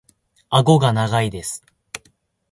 顎が長いです。